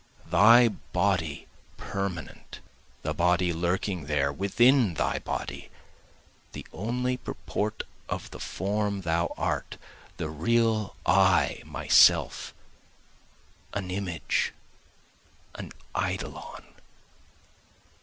Thy body permanent, The body lurking there within thy body, The only purport of the form thou art, the real I myself, An image, an eidolon.